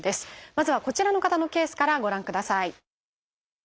まずはこちらの方のケースからご覧ください。